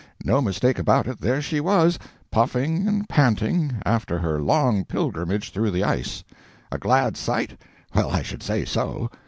—no mistake about it, there she was, puffing and panting, after her long pilgrimage through the ice. A glad sight? Well, I should say so!